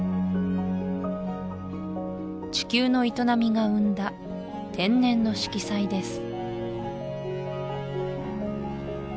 地球の営みが生んだ天然の色彩です